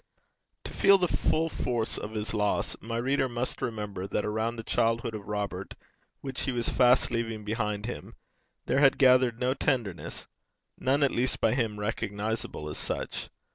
To feel the full force of his loss, my reader must remember that around the childhood of Robert, which he was fast leaving behind him, there had gathered no tenderness none at least by him recognizable as such.